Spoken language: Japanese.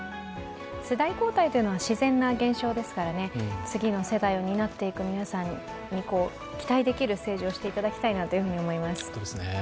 世代交代というのは自然な現象ですから、次の世代を担っていく皆さんに、期待できる政治をしていただきたいと思います。